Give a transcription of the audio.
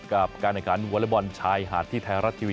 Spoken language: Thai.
กับการแข่งขันวอเล็กบอลชายหาดที่ไทยรัฐทีวี